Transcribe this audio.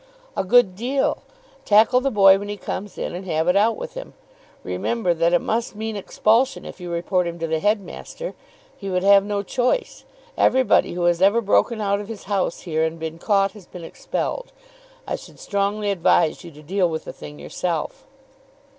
"A good deal. Tackle the boy when he comes in, and have it out with him. Remember that it must mean expulsion if you report him to the headmaster. He would have no choice. Everybody who has ever broken out of his house here and been caught has been expelled. I should strongly advise you to deal with the thing yourself."